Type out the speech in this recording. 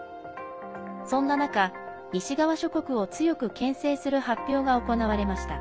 そんな中、西側諸国を強くけん制する発表が行われました。